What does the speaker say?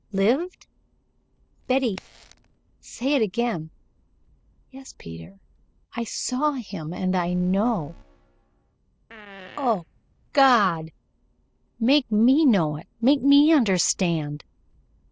"Lived? Betty, say it again!" "Yes, Peter. I saw him and I know " "Oh, God, make me know it. Make me understand."